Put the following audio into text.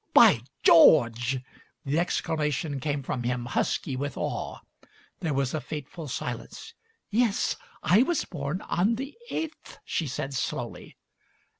"By George!" The exclamation came from him, husky with awe. There was a fateful silence. "Yes, I was born on the eighth," she said slowly.